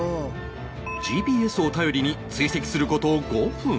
ＧＰＳ を頼りに追跡する事５分